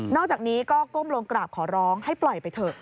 อกจากนี้ก็ก้มลงกราบขอร้องให้ปล่อยไปเถอะ